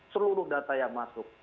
seluruh data yang masuk